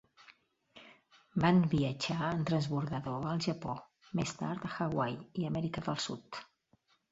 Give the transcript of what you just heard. Van viatjar en transbordador al Japó, més tard a Hawaii i Amèrica del Sud.